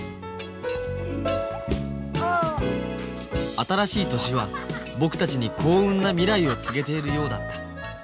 新しい年は僕たちに幸運な未来を告げているようだった。